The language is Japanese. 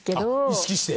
意識して？